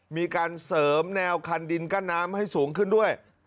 มีการเสริมแนวคันดินกั้นน้ำให้สูงขึ้นด้วย